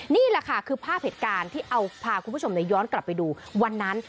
นี่แหละค่ะคือภาพเหตุการณ์ที่เอาพาคุณผู้ชมย้อนกลับไปดูวันนั้น